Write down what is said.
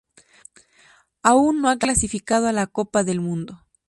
Aún no ha clasificado a la Copa del Mundo.